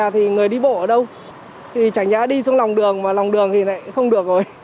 thì người đi bộ ở đâu thì chẳng nhớ đi xuống lòng đường mà lòng đường thì không được rồi